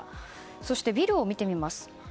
そしてビルを見てみます。